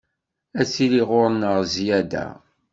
Ad tili ɣur-neɣ zzyada.